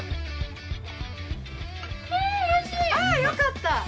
よかった。